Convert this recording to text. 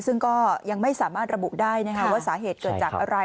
ซึ่งก็ยังไม่สามารถระบุได้ว่าสาเหตุเกิดจากอะไร